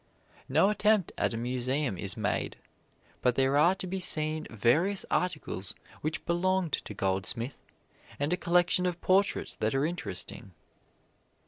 No attempt at a museum is made, but there are to be seen various articles which belonged to Goldsmith and a collection of portraits that are interesting.